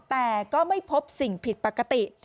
แต่ก็ไม่พบสิ่งผิดปกติ